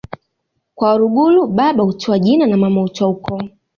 kwa Waluguru baba hutoa jina na mama hutoa ukoo